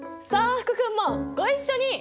福君もご一緒に！